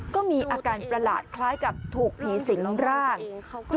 ก็มีอาการประหลาดคล้ายกับถูกผีสิงร่าง